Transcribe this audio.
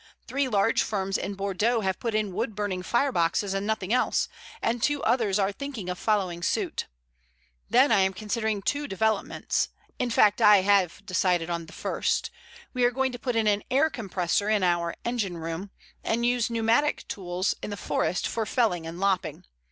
Three large firms in Bordeaux have put in wood burning fireboxes and nothing else, and two others are thinking of following suit. Then I am considering two developments; in fact, I have decided on the first. We are going to put in an air compressor in our engine room, and use pneumatic tools in the forest for felling and lopping.